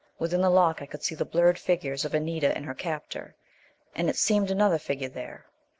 Within the lock I could see the blurred figures of Anita and her captor and it seemed, another figure there.